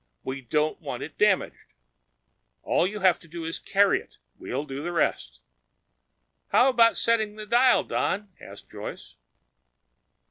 We don't want it damaged. All you have to do is carry it. We'll do the rest." "How about setting the dial, Don?" asked Joyce.